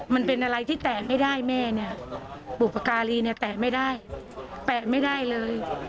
มันเป็นอะไรที่แตะไม่ได้แม่เนี่ยบุปการีเนี่ยแตะไม่ได้แปะไม่ได้เลย